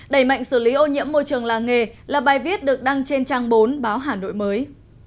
đẩy mạnh xử lý ô nhiễm môi trường làng nghề là bài viết được đăng trên trang bốn báo hà nội mới